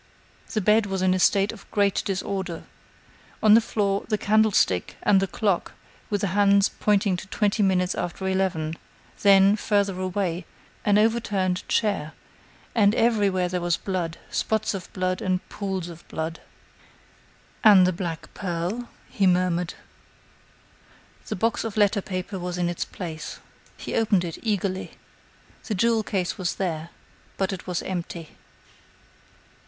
The bed was in a state of great disorder. On the floor, the candlestick, and the clock, with the hands pointing to twenty minutes after eleven; then, further away, an overturned chair; and, everywhere, there was blood, spots of blood and pools of blood. "And the black pearl?" he murmured. The box of letter paper was in its place. He opened it, eagerly. The jewel case was there, but it was empty.